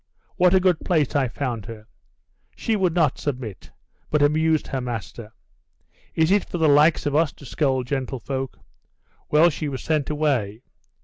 What a good place I found her! She would not submit, but abused her master. Is it for the likes of us to scold gentlefolk? Well, she was sent away.